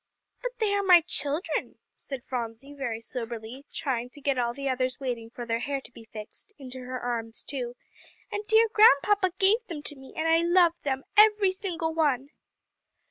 "But they are my children," said Phronsie very soberly, trying to get all the others waiting for their hair to be fixed, into her arms too, "and dear Grandpapa gave them to me, and I love them, every single one."